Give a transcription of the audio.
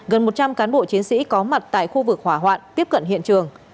gần một trăm linh cán bộ chiến sĩ có mặt tại khu vực hỏa hoạn tiếp cận hiện trường